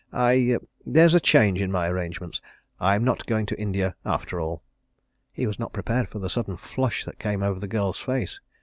"I there's a change in my arrangements, I'm not going to India, after all." He was not prepared for the sudden flush that came over the girl's face.